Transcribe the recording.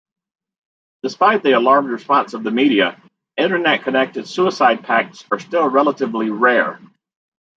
Despite the alarmed response of the media, Internet-connected suicide pacts are still relatively rare.